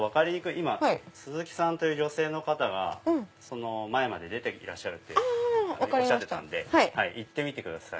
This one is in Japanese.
今鈴木さんという女性の方がその前まで出ていらっしゃるっておっしゃってたんで行ってみてください。